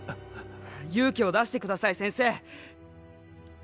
勇気を出してください先生！